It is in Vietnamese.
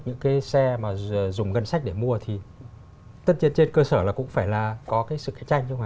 những cái xe mà dùng ngân sách để mua thì tất nhiên trên cơ sở là cũng phải là có cái sự cạnh tranh không phải